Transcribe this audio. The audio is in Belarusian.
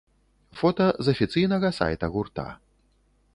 Фота з афіцыйнага сайта гурта.